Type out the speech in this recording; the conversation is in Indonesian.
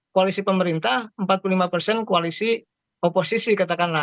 koalisi pemerintah empat puluh lima persen koalisi oposisi katakanlah